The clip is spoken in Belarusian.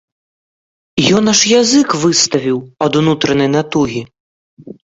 Ён аж язык выставіў ад унутранай натугі.